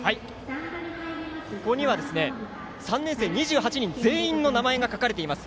ここには３年生２８人全員の書かれています。